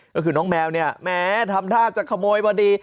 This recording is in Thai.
ก็คือน้องแมวเนี่ยแม้ทำท่าจะขโมยพอดี